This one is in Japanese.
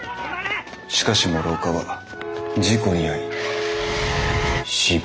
しかし諸岡は事故に遭い死亡。